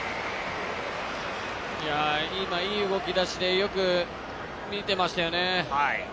今、いい動き出しでよく見てましたよね。